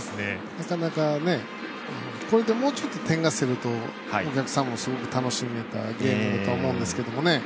なかなかね、こういったもうちょっと点が競るとお客さんももう少し楽しめたゲームだとは思うんですけどね。